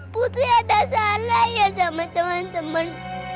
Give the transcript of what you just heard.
put ada salah ya sama teman teman